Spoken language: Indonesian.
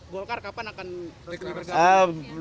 golkar kapan akan dikira kira